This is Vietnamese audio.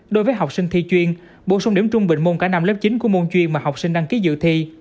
đối với học sinh thi chuyên bổ sung điểm trung bình môn cả năm lớp chín của môn chuyên mà học sinh đăng ký dự thi